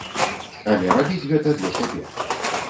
Але рабіць гэта для сябе.